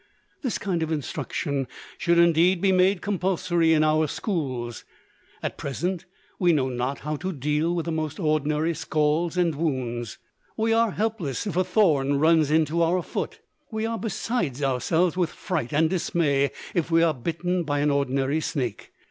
This kind of instruction should indeed be made compulsory in our schools. At present, we know not how to deal with the most ordinary scalds and wounds; we are helpless if a thorn runs into our foot; we are beside ourselves with fright and dismay if we are bitten by an ordinary snake!